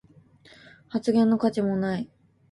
発言の価値もない